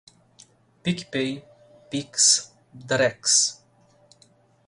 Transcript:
PicPay, Pix, Drex